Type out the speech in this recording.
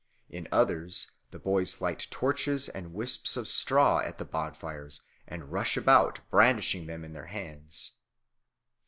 In others the boys light torches and wisps of straw at the bonfires and rush about brandishing them in their hands.